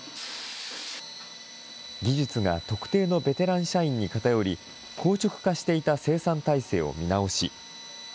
技術が特定のベテラン社員にかたより、硬直化していた生産体制を見直し。